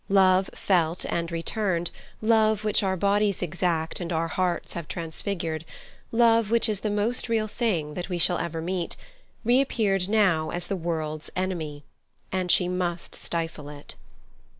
Love felt and returned, love which our bodies exact and our hearts have transfigured, love which is the most real thing that we shall ever meet, reappeared now as the world's enemy, and she must stifle it.